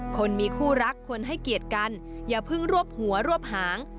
คนมีคู่รักควรให้เกียรติกันอย่าเพิ่งรวบหัวรวบหาง